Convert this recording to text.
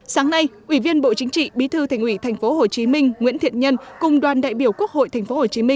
sáng nay ủy viên bộ chính trị bí thư thành ủy tp hcm nguyễn thiện nhân cùng đoàn đại biểu quốc hội tp hcm